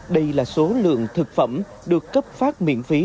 đây là số lượng thực phẩm được cấp phát miễn phí